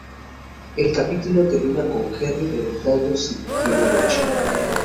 El capítulo termina con Henry preguntando si tienen leche.